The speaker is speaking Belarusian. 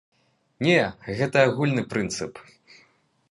Не, гэта агульны прынцып.